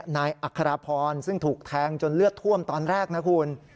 นายอัครพรซึ่งถูกแทงจนเลือดท่วมตอนแรกนะคุณ